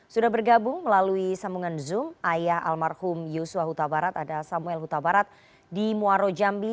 sudah bergabung melalui sambungan zoom ayah almarhum yusua hutabarat ada samuel hutabarat di muarro jambi